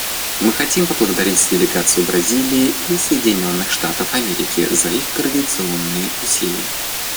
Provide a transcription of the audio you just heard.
Мы хотим поблагодарить делегации Бразилии и Соединенных Штатов Америки за их координационные усилия.